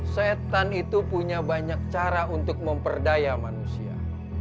setan itu punya banyak cara untuk memperdaya manusia